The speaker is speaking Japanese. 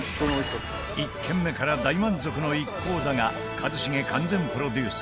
１軒目から大満足の一行だが一茂完全プロデュース